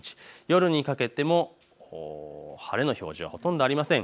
夜にかけても晴れの表示はほとんどありません。